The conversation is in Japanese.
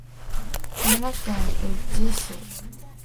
奈良県宇陀市